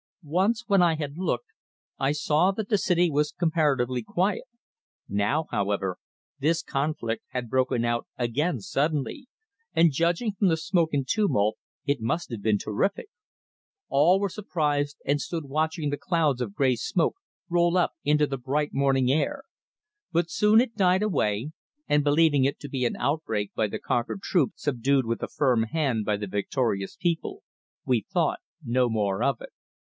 Once, when I had looked, I saw that the city was comparatively quiet; now, however, this conflict had broken out again suddenly, and judging from the smoke and tumult it must have been terrific. All were surprised, and stood watching the clouds of grey smoke roll up into the bright morning air. But soon it died away, and believing it to be an outbreak by the conquered troops subdued with a firm hand by the victorious people, we thought no more of it.